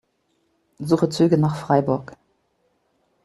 Suche Züge nach Freiburg.